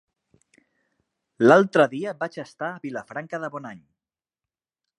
L'altre dia vaig estar a Vilafranca de Bonany.